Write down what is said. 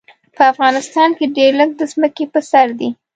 په افغانستان کې ډېر لږ د ځمکې په سر دي.